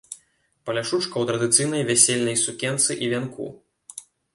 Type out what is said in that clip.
Паляшучка ў традыцыйнай вясельнай сукенцы і вянку.